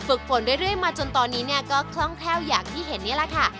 ฝึกฝนเรื่อยมาจนตอนนี้ก็คล่องแถวอย่างที่เห็นนี่แหละค่ะ